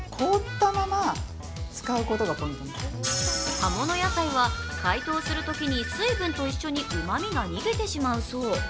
葉物野菜は解凍するときに、水分と一緒にうまみが逃げてしまうそう。